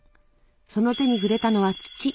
その手に触れたのは土。